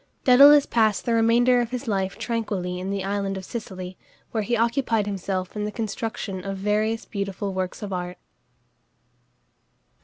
Dædalus passed the remainder of his life tranquilly in the island of Sicily, where he occupied himself in the construction of various beautiful works of art.